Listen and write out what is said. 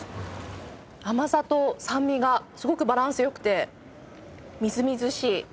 甘さと酸味がすごくバランス良くてみずみずしい。